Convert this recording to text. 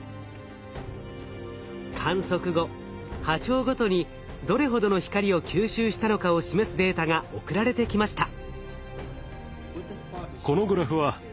観測後波長ごとにどれほどの光を吸収したのかを示すデータが送られてきました。